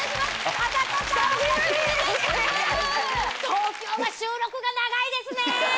東京は収録が長いですね。